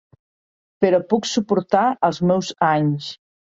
Però puc suportar els meus anys.